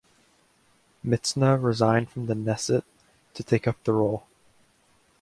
Mitzna resigned from the Knesset to take up the role.